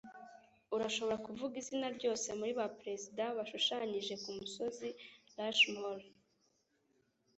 Urashobora kuvuga Izina Ryose muri ba Perezida bashushanyije kumusozi Rushmore